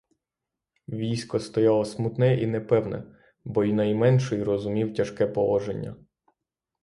Військо стояло смутне і непевне, бо й найменший розумів тяжке положення.